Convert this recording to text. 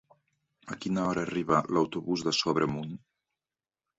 A quina hora arriba l'autobús de Sobremunt?